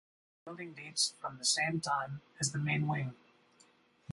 The building dates from the same time as the main wing.